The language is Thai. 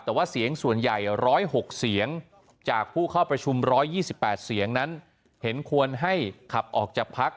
แต่ว่าเสียงส่วนใหญ่๑๐๖เสียงจากผู้เข้าประชุม๑๒๘เสียงนั้นเห็นควรให้ขับออกจากพัก